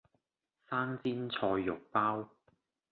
生煎菜肉包